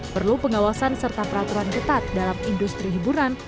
perlu pengawasan serta peraturan ketat dalam industri hiburan